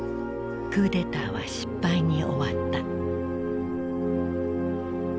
クーデターは失敗に終わった。